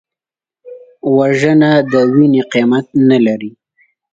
وژنه د وینې قیمت نه لري